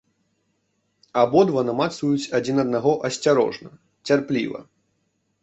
Абодва намацваюць адзін аднаго асцярожна, цярпліва.